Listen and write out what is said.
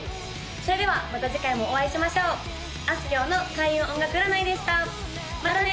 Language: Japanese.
それではまた次回もお会いしましょうあすきょうの開運音楽占いでしたまたね！